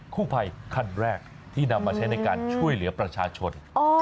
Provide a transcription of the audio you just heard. คู่ภัยขั้นแรกที่นำมาใช้ในการช่วยเหลือประชาชน